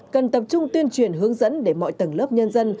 cần tập trung tuyên truyền hướng dẫn để mọi tầng lớp nhân dân